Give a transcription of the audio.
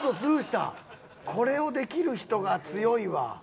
これをできる人が強いわ。